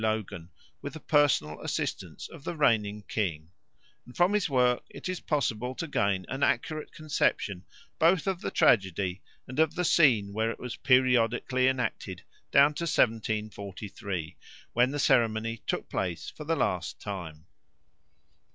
Logan, with the personal assistance of the reigning king, and from his work it is possible to gain an accurate conception both of the tragedy and of the scene where it was periodically enacted down to 1743, when the ceremony took place for the last time.